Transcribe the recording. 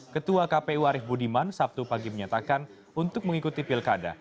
ketua kpu arief budiman sabtu pagi menyatakan untuk mengikuti pilkada